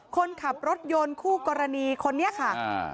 คนขับรถยนต์คู่กรณีคนนี้ค่ะอ่า